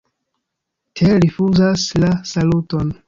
Tell rifuzas la saluton.